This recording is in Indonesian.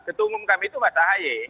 ketua umum kami itu mas ahaye